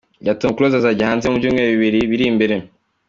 ya Tom Close azajya hanze mu byumweru bibiri biri imbere.